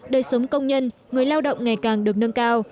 đời sống công nhân người lao động ngày càng được nâng cao